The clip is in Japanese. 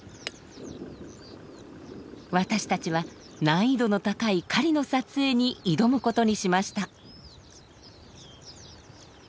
私たちは難易度の高い狩りの撮影に挑むことにしました。